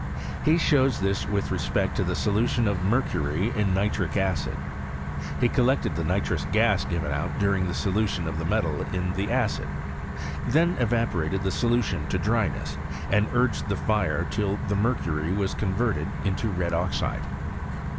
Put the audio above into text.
He shows this with respect to the solution of mercury in nitric acid. He collected the nitrons gas given out during the solution of the m^al in PROGRESS or CHEMISTRY XH FRANCE. 117 ) acid : tlien evaporated the solution to dryness, d urged the fire till the mercury was converted to red oxide.